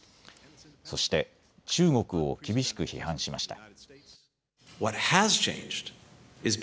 そして中国を厳しく批判しました。